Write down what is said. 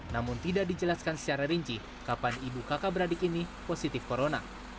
namun tidak dijelaskan secara rinci kapan ibu kakak beradik ini positif corona